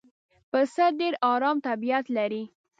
پسه ډېر آرام طبیعت لري.